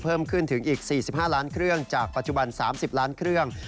เพิ่มขึ้นถึงอีก๔๕ล้านเครื่องจากปัจจุบัน๓๐ล้านเครื่อง